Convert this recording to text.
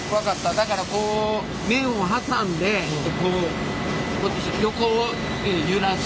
だからこう麺を挟んで横に揺らす。